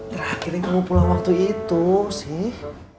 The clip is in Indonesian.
terakhir yang mau pulang waktu itu sih